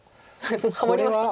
ハモりましたね。